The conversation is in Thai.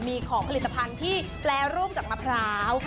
มีของผลิตภัณฑ์ที่แปรรูปจากมะพร้าว